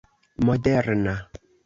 moderna